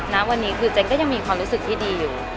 ณวันนี้คือเจนก็ยังมีความรู้สึกที่ดีอยู่